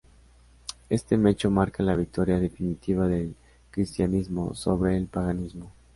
Este hecho marca la victoria definitiva del cristianismo sobre el paganismo.